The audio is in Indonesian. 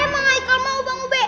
ya emang haikal mau bang ub